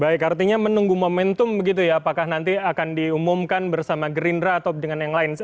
baik artinya menunggu momentum begitu ya apakah nanti akan diumumkan bersama gerindra atau dengan yang lain